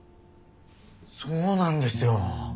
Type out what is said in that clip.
そうなんですよ！